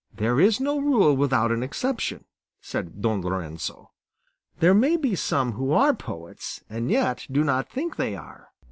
"There is no rule without an exception," said Don Lorenzo; "there may be some who are poets and yet do not think they are."